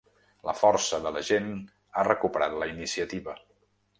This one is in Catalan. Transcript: La força de la gent ha recuperat la iniciativa.